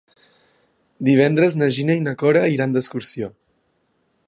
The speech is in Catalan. Divendres na Gina i na Cora iran d'excursió.